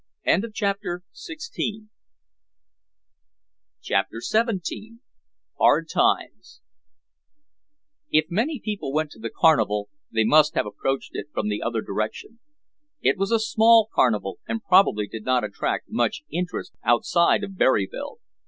CHAPTER XVII HARD TIMES If many people went to the carnival they must have approached it from the other direction. It was a small carnival and probably did not attract much interest outside of Berryville.